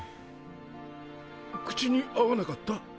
口に合わなかった？